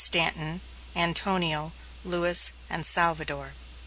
Stanton, Antonio, Lewis, and Salvador.